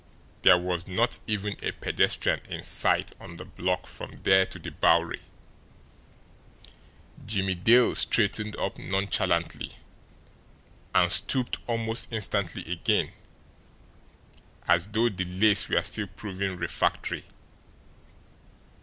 There was not even a pedestrian in sight on the block from there to the Bowery. Jimmie Dale straightened up nonchalantly, and stooped almost instantly again, as though the lace were still proving refractory.